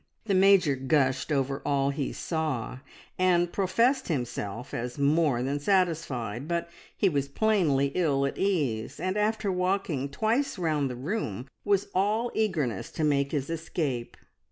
The Major gushed over all he saw, and professed himself as more than satisfied, but he was plainly ill at ease, and after walking twice round the room was all eagerness to make his escape.